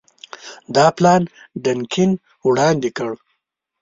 دا پلان ډنکن وړاندي کړ.